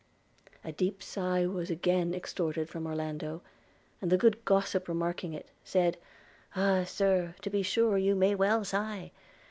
A deep sigh was again extorted from Orlando, and the good gossip remarking it, said: 'Ah, Sir, to be sure you may well sigh!